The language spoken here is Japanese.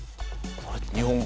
日本語で。